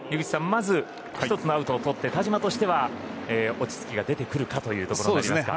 まず１つのアウトをとって田嶋としては落ち着きが出てくることになりますか。